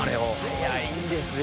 はやいんですよ